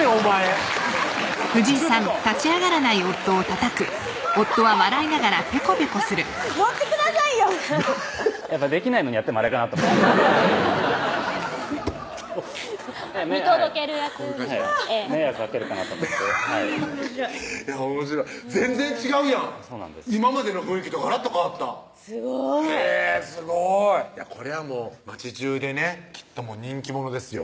アハハハッ乗ってくださいよできないのにやってもあれかなとちょっと見届ける役迷惑かけるかなと思ってあぁおもしろいおもしろい全然違うやん今までの雰囲気とがらっと変わったすごいへぇすごいこりゃもう町中でねきっと人気者ですよ